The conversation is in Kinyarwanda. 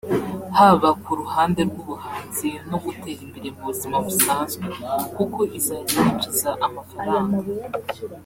haba ku ruhande rw’ubuhanzi no gutera imbere mu buzima busanzwe kuko izajya yinjiza amafaranga